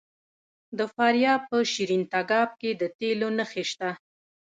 د فاریاب په شیرین تګاب کې د تیلو نښې شته.